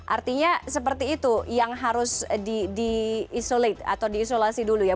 artinya seperti itu yang harus diisolasi dulu ya